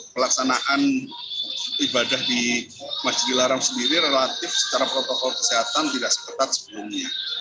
pelaksanaan ibadah di masjidil haram sendiri relatif secara protokol kesehatan tidak sepetat sebelum ini